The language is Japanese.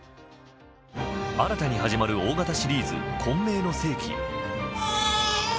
新たに始まる大型シリーズ「混迷の世紀」。